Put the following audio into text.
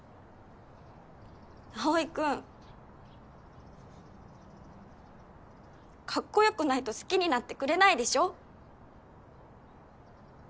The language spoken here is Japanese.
葵君かっこよくないと好きになってくれないでしょ？